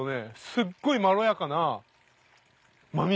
すっごいまろやかな真水。